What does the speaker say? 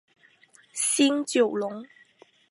新九龙。